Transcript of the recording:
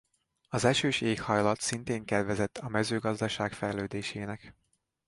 Az esős éghajlat szintén kedvezett a mezőgazdaság fejlődésének.